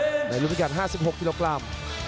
รอบดำนี่อยู่ในนักการณ์๕๖ธิโรกรัม